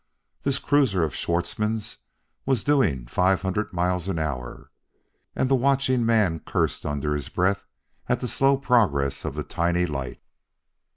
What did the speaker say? This cruiser of Schwartzmann's was doing five hundred miles an hour and the watching man cursed under his breath at the slow progress of the tiny light.